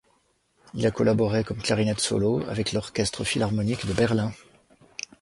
Il a collaboré comme clarinette solo avec l'orchestre Philharmonique de Berlin.